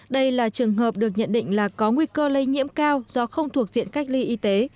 đây là trường hợp được nhận định là có nguy cơ lây nhiễm cao do không thuộc diện cách ly y tế